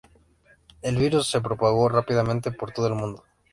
El virus se propagó rápidamente por todo el mundo.